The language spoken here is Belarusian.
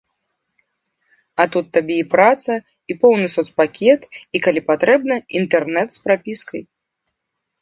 А тут табе і праца, і поўны сацпакет, і, калі патрэбна, інтэрнат з прапіскай!